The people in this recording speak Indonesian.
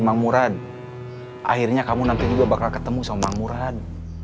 om murad akhirnya kamu nanti juga bakal ketemu sama murad